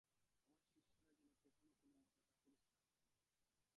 আমার শিষ্যেরা যেন কখনও কোনমতে কাপুরুষ না হয়।